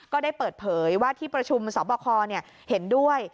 ก็ได้เปิดเผยว่าที่ประชุมสบคเห็นด้วย